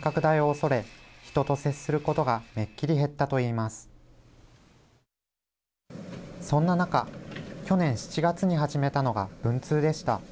そんな中去年７月に始めたのが文通でした。